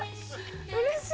うれしい！